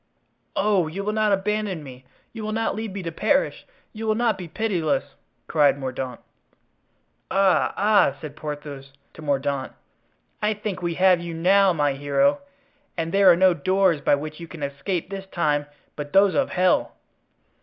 "Oh! you will not abandon me! You will not leave me to perish! You will not be pitiless!" cried Mordaunt. "Ah! ah!" said Porthos to Mordaunt, "I think we have you now, my hero! and there are no doors by which you can escape this time but those of hell."